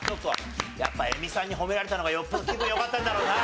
やっぱ映美さんに褒められたのがよっぽど気分良かったんだろうな。